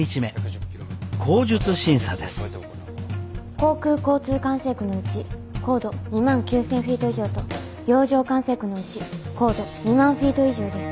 航空交通管制区のうち高度２万９，０００フィート以上と洋上管制区のうち高度２万フィート以上です。